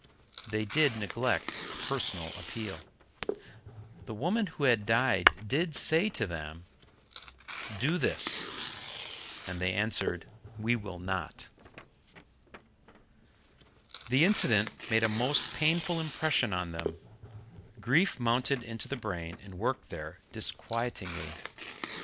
They did neglect a personal appeal. The woman who had died did say to them, "Do this," and they answered, "We will not." The incident made a most painful impression on them. Grief mounted into the brain and worked there disquietingly.